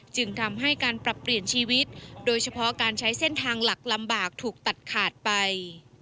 จึงทำให้การปรับเปลี่ยนชีวิตโดยเฉพาะการใช้เส้นทางหลักลำบากถูกตัดขาดไป